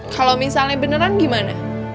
kalau misalnya beneran gimana